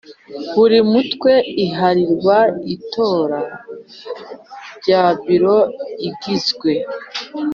buri Mutwe iharirwa itora rya Biro igizwe